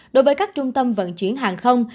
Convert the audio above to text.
đối với các trung tâm vận chuyển hàng không